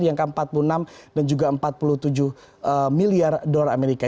yang ke empat puluh enam dan juga empat puluh tujuh miliar dolar amerika